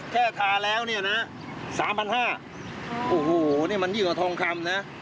แค่ทาแล้วเนี้ยนะสามพันห้าโอ้โหนี่มันยิ่งกว่าทองคำนะ